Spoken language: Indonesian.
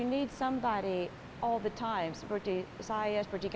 karena kita membutuhkan seseorang